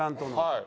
はい。